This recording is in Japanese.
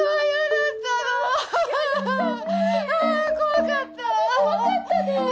よかったね。